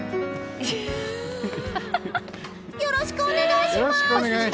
よろしくお願いします！